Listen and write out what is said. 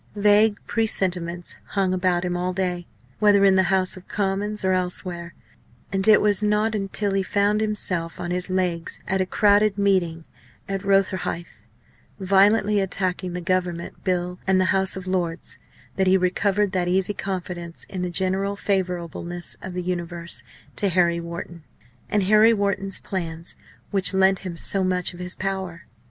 Vague presentiments hung about him all day, whether in the House of Commons or elsewhere, and it was not till he found himself on his legs at a crowded meeting at Rotherhithe, violently attacking the Government Bill and the House of Lords, that he recovered that easy confidence in the general favourableness of the universe to Harry Wharton, and Harry Wharton's plans, which lent him so much of his power.